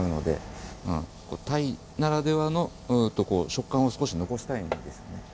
タイならではの食感を少し残したいんですよね。